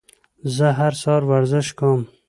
زه هر سهار ورزش کوم.